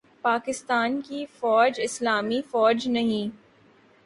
پاکستان کی فوج اسلامی فوج نہیں